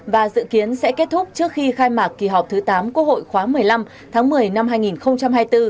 và dự kiến sẽ kết thúc trước khi khai mạc kỳ họp thứ tám quốc hội khóa một mươi năm tháng một mươi năm hai nghìn hai mươi bốn